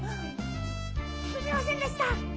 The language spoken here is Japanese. すみませんでした！